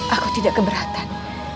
aku tidak keberatan